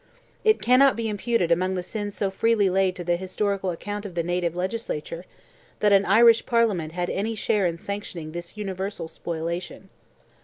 It cannot be imputed among the sins so freely laid to the historical account of the native legislature, that an Irish parliament had any share in sanctioning this universal spoliation.